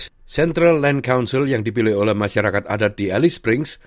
senator price central land council yang dipilih oleh masyarakat adat di alice springs